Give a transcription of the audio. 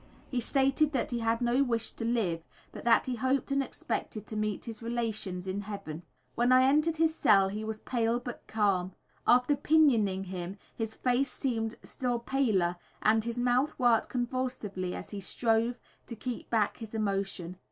He stated that he had no wish to live, but that he hoped and expected to meet his relations in heaven. When I entered his cell he was pale, but calm. After pinioning him his face seemed still paler and his mouth worked convulsively as he strove to keep back his emotion.